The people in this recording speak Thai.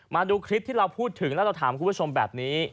มาดูคลิปที่เราพูดถึงแล้วเราถามคุณผู้ชมแบบนี้